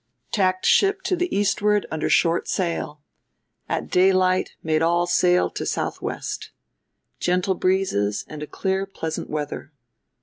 "Tacked ship to the eastward under short sail. At daylight made all sail to SW. Gentle breezes and clear pleasant weather.